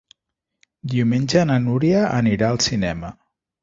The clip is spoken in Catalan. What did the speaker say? Diumenge na Núria anirà al cinema.